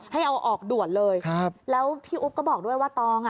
ให้เอาออกด่วนเลยครับแล้วพี่อุ๊บก็บอกด้วยว่าตองอ่ะ